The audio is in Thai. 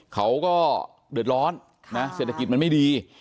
เขาก็เดือดร้อนนะเศรษฐกิจมันไม่ดี